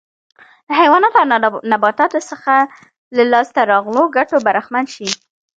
د حیواناتو او نباتاتو څخه له لاسته راغلو ګټو برخمن شي.